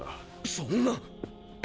そんなっ！